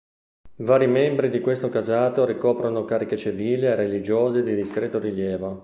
Vari membri di questo casato ricoprirono cariche civili e religiose di discreto rilievo.